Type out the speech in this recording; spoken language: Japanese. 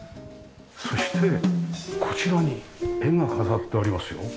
そしてこちらに絵が飾ってありますよ。